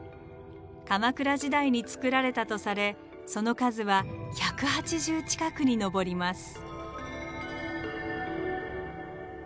鎌倉時代に作られたとされその数は１８０近くに上ります。